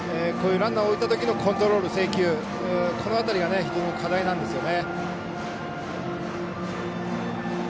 ランナーを置いたときのコントロール、制球この辺りが非常に課題なんですね。